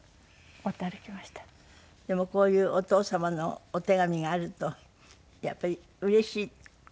でもこういうお父様のお手紙があるとやっぱりうれしいでしょ？